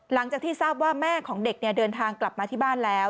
หลังจากที่ทราบว่าแม่ของเด็กเดินทางกลับมาที่บ้านแล้ว